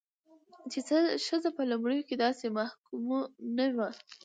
چې ښځه په لومړيو کې داسې محکومه نه وه،